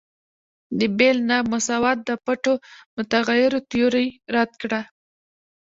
د بیل نا مساوات د پټو متغیرو تیوري رد کړه.